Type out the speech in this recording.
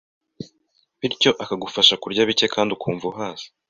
bityo akagufasha kurya bicye kandi ukumva uhaze